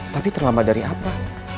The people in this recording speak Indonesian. tapi terlambat dari apa